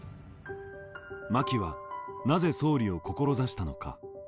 真木はなぜ総理を志したのか。